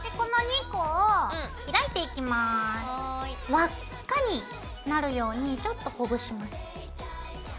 輪っかになるようにちょっとほぐします。